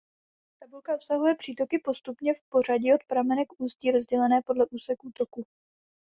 Tabulka obsahuje přítoky postupně v pořadí od pramene k ústí rozdělené podle úseků toku.